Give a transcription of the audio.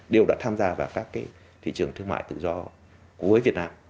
đều đã tham gia vào các thị trường thương mại tự do với việt nam